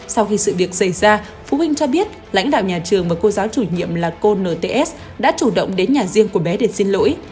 sau khi sự việc xảy ra phụ huynh cho biết lãnh đạo nhà trường và cô giáo chủ nhiệm là cô nts đã chủ động đến nhà riêng của bé để xin lỗi